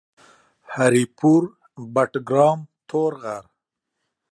هري پور ، بټګرام ، تورغر